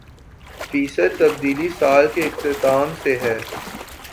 فیصد تبدیلی سال کے اختتام سے ہے